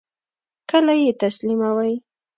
کله یی تسلیموئ؟